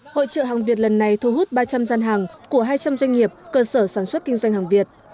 hội trợ hàng việt lần này thu hút ba trăm linh gian hàng của hai trăm linh doanh nghiệp cơ sở sản xuất kinh doanh hàng việt